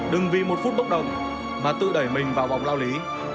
đừng vì một phút bốc động mà tự đẩy mình vào vòng lao lý